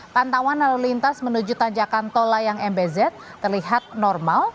pantauan lalu lintas menuju tanjakan tol layang mbz terlihat normal